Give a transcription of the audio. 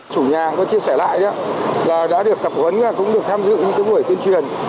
chủ nhà có chia sẻ lại đã được cập huấn cũng được tham dự những buổi tuyên truyền